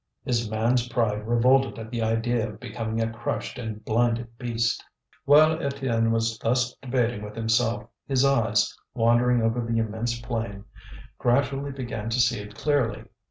His man's pride revolted at the idea of becoming a crushed and blinded beast. While Étienne was thus debating with himself, his eyes, wandering over the immense plain, gradually began to see it clearly.